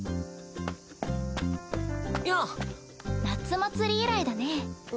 夏祭り以来だね。